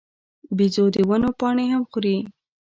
بیزو د ونو پاڼې هم خوري.